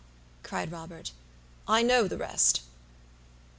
cried Robert, "I know the rest."